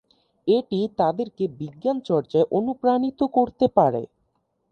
এটি তাদের কে বিজ্ঞান চর্চায় অনুপ্রাণিত করতে পারে।